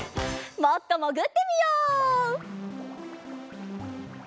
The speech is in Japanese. もっともぐってみよう。